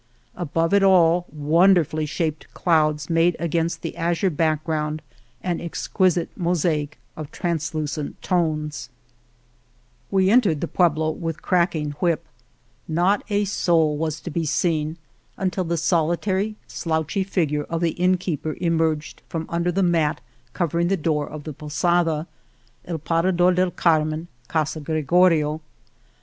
Above it all wonderfully shaped clouds made against the azure back ground an exquisite mosaic of translucent tones. 14 II Argamasilla 4 ^t ^\' \h ♦\ T'i^^ ^»?i?. Argamasilla w Vs. E entered the pueblo with cracking whip. Not a soul was to be seen until the solitary, slouchy figure of the inn keeper emerged from under the mat covering the door of the posada — A/ Para dor del Carmen, Casa Gregorio.